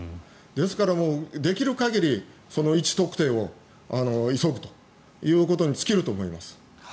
ですから、できる限り位置特定を急ぐということに尽きると思います。